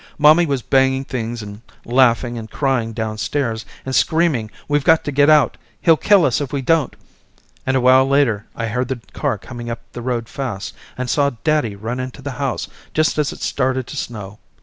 Mommy was banging things and laughing and crying downstairs and screaming we've got to get out, he'll kill us if we don't, and a while later I heard the car coming up the road fast, and saw daddy run into the house just as it started to snow.